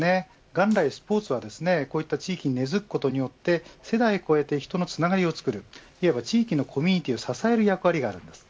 元来スポーツはこういった地域に根付くことによって世代を超えて人のつながりを作る地域のコミュニティーを支える役割があります。